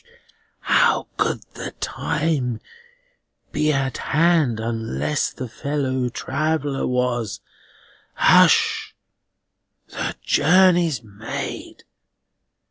"How could the time be at hand unless the fellow traveller was? Hush! The journey's made.